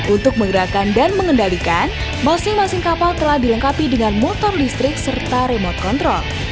untuk menggerakkan dan mengendalikan masing masing kapal telah dilengkapi dengan motor listrik serta remote control